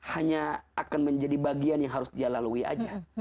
hanya akan menjadi bagian yang harus dia lalui aja